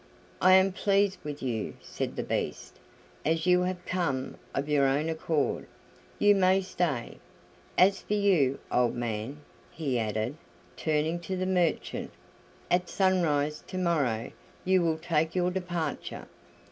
"I am pleased with you," said the Beast. "As you have come of your own accord, you may stay. As for you, old man," he added, turning to the merchant, "at sunrise to morrow you will take your departure.